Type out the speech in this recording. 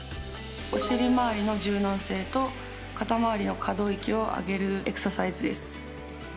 お尻回りの柔軟性と肩回りの可動域を上げるエクササイズです。